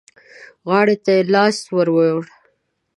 غاړې ته يې لاس ور ووړ.